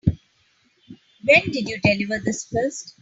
When did you deliver this first?